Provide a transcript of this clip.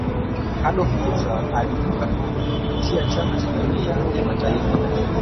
adolf hitler aliibuka kupitia chama cha jumuiya ya mataifa